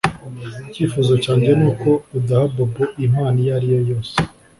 Icyifuzo cyanjye nuko udaha Bobo impano iyo ari yo yose